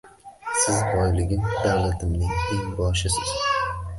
Siz boyligim davlatimning eng boshisiz